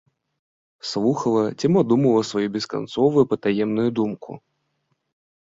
Слухала ці мо думала сваю бесканцовую патаемную думку.